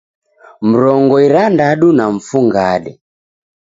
Mrongo irandadu na mfungade